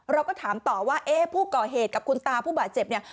เราก็ถามต่อว่าเอ๊ะผู้ก่อเหตุกับคุณตาผู้บาดเจ็บเนี่ย